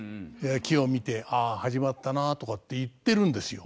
木を見て「あぁ始まったな」とかって言ってるんですよ。